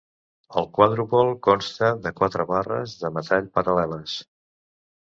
El quadrupol consta de quatre barres de metall paral·leles.